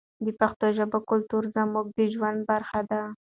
د پښتو ژبې کلتور زموږ د ژوند برخه ده.